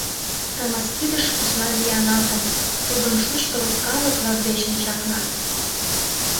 Тыныс кидыш кусна виян атом — Тудын шучкылык калык-влак дечын чакна.